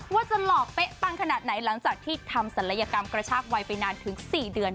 ว่าจะหลอกเป๊ะปังขนาดไหนหลังจากที่ทำศัลยกรรมกระชากวัยไปนานถึง๔เดือน